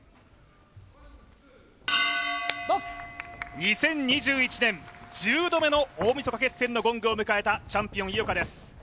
２０２１年１０度目の大みそか決戦のゴングを迎えたチャンピオン・井岡一翔です